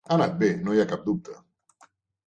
Ha anat bé; no hi ha cap dubte.